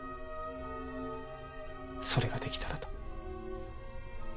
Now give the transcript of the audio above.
それができたらと。